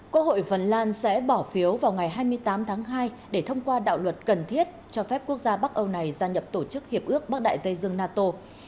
quốc hội vân lan sẽ bỏ phiếu vào ngày hai mươi tám tháng hai để thông qua đạo luật cần thiết cho phép quốc gia bắc âu này gia nhập tổ chức hiệp ước bắc đại tây dương nato